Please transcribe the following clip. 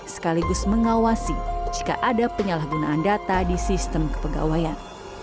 sekaligus mengawasi jika ada penyalahgunaan data di sistem kepegawaian